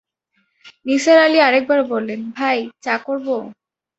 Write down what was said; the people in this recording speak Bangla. নিসার আলি আরেক বার বললেন, ভাই, চা করব?